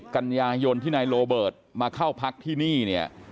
๓๐กัญญายนที่ในโลเบิร์ตมาเข้าพักที่นี่